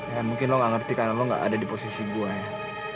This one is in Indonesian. ya mungkin lo gak ngerti karena lo gak ada di posisi gue ya